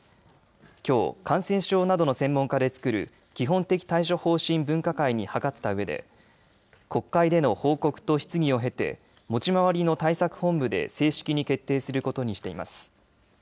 きょう感染症などの専門家で作る基本的対処方針分科会に諮ったうえで国会での報告と質疑を経て持ち回りの対策本部で正式に決定することにしています。